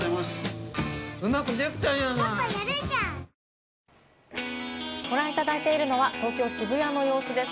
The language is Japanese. ニトリご覧いただいているのは東京・渋谷の様子です。